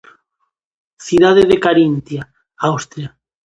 Cidade de Carintia, Austria.